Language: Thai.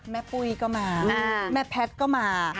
แม่ปุ๊ยก็มาแม่แพทก็มา